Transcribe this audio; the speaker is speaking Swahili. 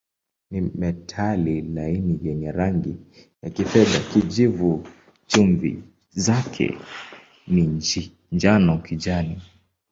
Ni metali laini yenye rangi ya kifedha-kijivu, chumvi zake ni njano-kijani.